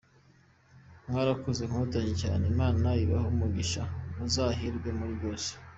Mwarakoze Nkotanyi cyane, Imana ibahe umugisha muzahirwe muri byose.